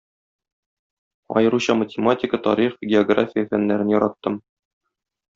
Аеруча математика, тарих, география фәннәрен яраттым.